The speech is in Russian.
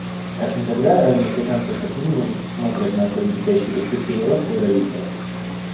Как никогда ранее африканцы с оптимизмом смотрят на свои блестящие перспективы роста и развития.